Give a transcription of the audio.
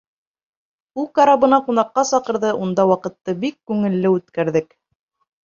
Ул карабына ҡунаҡҡа саҡырҙы, унда ваҡытты бик күңелле үткәрҙек.